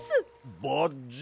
バッジ？